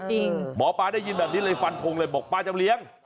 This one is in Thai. จริงหมอป้าได้ยินแบบนี้เลยฟันพงเลยบอกป้าจำเรียง